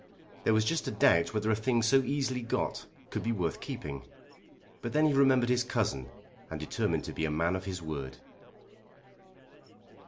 There was just a doubt whether a thing so easily got could be worth the keeping. But then he remembered his cousin and determined to be a man of his word.